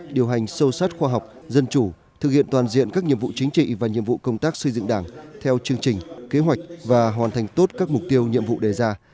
điều hành sâu sát khoa học dân chủ thực hiện toàn diện các nhiệm vụ chính trị và nhiệm vụ công tác xây dựng đảng theo chương trình kế hoạch và hoàn thành tốt các mục tiêu nhiệm vụ đề ra